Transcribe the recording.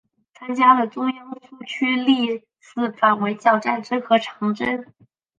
参加了中央苏区历次反围剿战争和长征。